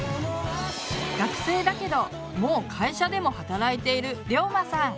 学生だけどもう会社でも働いているりょうまさん。